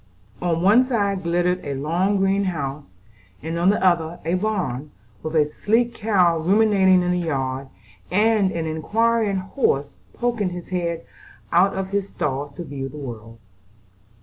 On one side glittered a long green house, and on the other stood a barn, with a sleek cow ruminating in the yard, and an inquiring horse poking his head out of his stall to view the world.